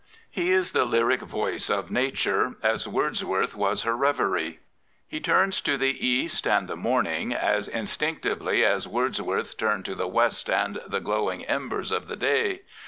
He is the lyric voice of Nature, as Wordsworth was her reverie. He turns to the East and the morning as instinctively as Wordsworth turned to the West and the glowing embers of the day.